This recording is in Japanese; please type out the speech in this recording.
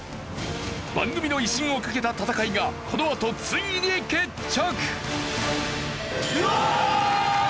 番組の威信をかけた戦いがこのあとついに決着！